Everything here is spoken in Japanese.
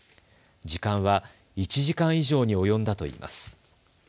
時間は１時間以上に及んだといいます。